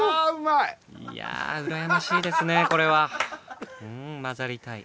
いやあうらやましいですねこれは。うん交ざりたい。